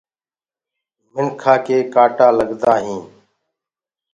منکآ ڪي ڪآٽآ لگدآ هينٚ۔